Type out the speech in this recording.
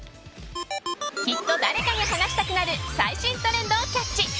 きっと誰かに話したくなる最新トレンドをキャッチ。